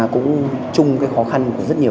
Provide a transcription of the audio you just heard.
cũng trung cái khó khăn của rất nhiều